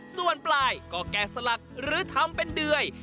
ส่วนปลายก็แก่สลักหรือทำเป็นเดื่อย